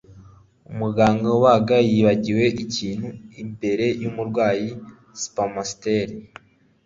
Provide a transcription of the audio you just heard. Umuganga ubaga yibagiwe ikintu imbere yumurwayi Spamster